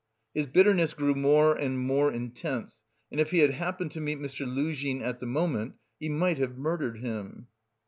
His bitterness grew more and more intense, and if he had happened to meet Mr. Luzhin at the moment, he might have murdered him.